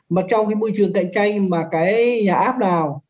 mà trong cái môi trường cạnh tranh mà cái nhà áp nào